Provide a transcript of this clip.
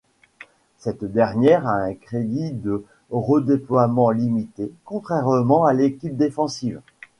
Cette dernière a un crédit de redéploiements limité, contrairement à l'équipe défensive.